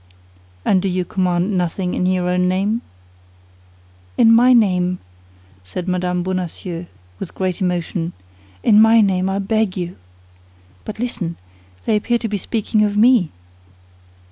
"And do you command nothing in your own name?" "In my name," said Mme. Bonacieux, with great emotion, "in my name I beg you! But listen; they appear to be speaking of me."